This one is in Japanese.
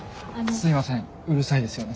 すいませんうるさいですよね。